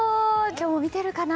今日も見てるかな？